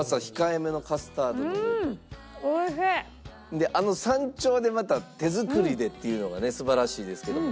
であの山頂でまた手作りでっていうのがね素晴らしいですけども。